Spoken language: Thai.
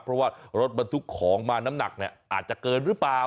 เพราะว่ารถบรรทุกของมาน้ำหนักเนี่ยอาจจะเกินหรือเปล่า